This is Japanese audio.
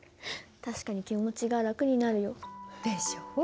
確かに気持ちが楽になるよ。でしょ？